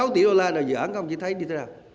ba mươi sáu tỷ đô la là dự án các ông chí thấy như thế nào